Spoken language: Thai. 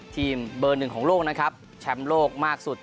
ทีมเบอร์หนึ่งของโลกนะครับแชมป์โลกมากสุด